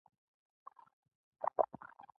زه هغه وخت په ګیانا کې وم